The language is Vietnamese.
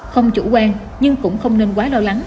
không chủ quan nhưng cũng không nên quá lo lắng